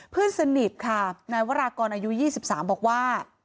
เพื่อนสนิทค่ะนายวรากรอายุ๒๓บอกว่า